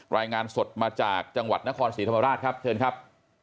รายงานสดมาจากจังหวัดนครศรีธรรมราชครับเชิญครับ